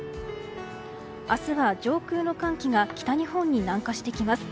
明日は上空の寒気が北日本に南下してきます。